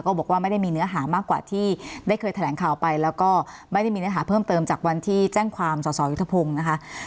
บอกว่าไม่ได้มีเนื้อหามากกว่าที่ได้เคยแถลงข่าวไปแล้วก็ไม่ได้มีเนื้อหาเพิ่มเติมจากวันที่แจ้งความสอสอยุทธพงศ์นะคะ